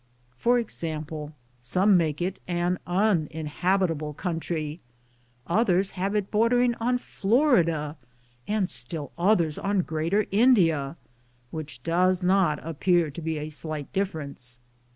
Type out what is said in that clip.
For example, some make it an uninhabitable country, others have it bordering on Florida, and still others on Greater India, which does not appear to be a Blight difference.